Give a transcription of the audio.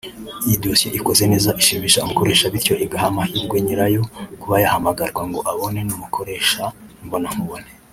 Iyo dosiye ikoze neza ishimisha umukoresha bityo igaha amahirwe nyirayo yo kuba yahamagarwa ngo abonane n’umukoresha imbonankubone